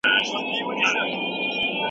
غر دی که سمه ټوله اغیار دی.